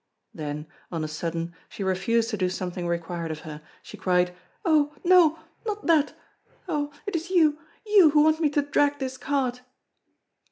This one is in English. Then, on a sudden, she refused to do something required of her. She cried: "Oh! no, not that! Oh! it is you, you who want me to drag this cart!"